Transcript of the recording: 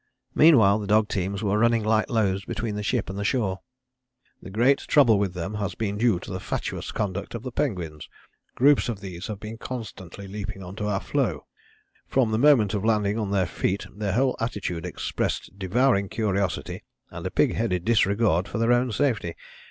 Meanwhile the dog teams were running light loads between the ship and the shore. "The great trouble with them has been due to the fatuous conduct of the penguins. Groups of these have been constantly leaping on to our floe. From the moment of landing on their feet their whole attitude expressed devouring curiosity and a pig headed disregard for their own safety.